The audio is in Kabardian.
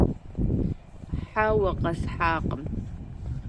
Хьэуэ, къэсхьакъым.